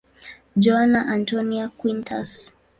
Joana Antónia Quintas.